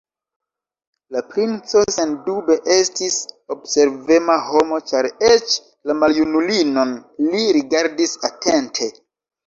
La princo sendube estis observema homo, ĉar eĉ la maljunulinon li rigardis atente.